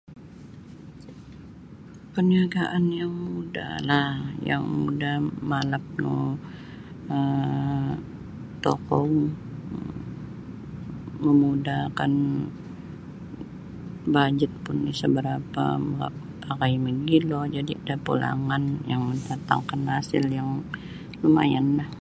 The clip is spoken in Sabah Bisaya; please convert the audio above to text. Parniagaan yang mudahlah yang mudah malap no um tokou mamudahkan bajet pun sa barapa mamakai mogilo jadi da pulangan yang mandatangkan hasil yang lumayanlah